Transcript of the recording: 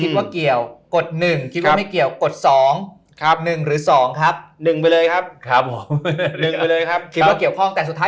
คิดว่าเกี่ยวกด๑คิดว่าไม่เกี่ยวกด๒